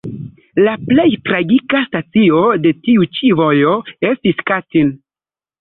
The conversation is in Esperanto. La plej tragika stacio de tiu ĉi vojo estis Katin.